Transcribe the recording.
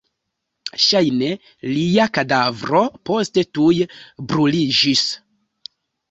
Ŝajne lia kadavro poste tuj bruliĝis.